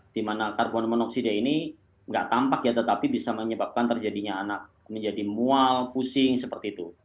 di mana karbon monoksida ini nggak tampak ya tetapi bisa menyebabkan terjadinya anak menjadi mual pusing seperti itu